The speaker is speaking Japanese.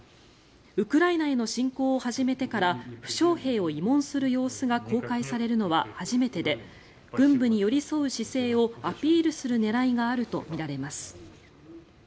ウクライナへの侵攻を始めてから負傷兵を慰問する様子が公開されるのは初めてで軍部に寄り添う姿勢をアピールする狙いがあるとみられます。